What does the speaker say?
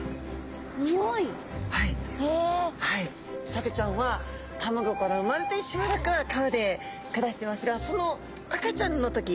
サケちゃんはたまギョから生まれてしばらくは川で暮らしてますがその赤ちゃんの時「クンクンクン！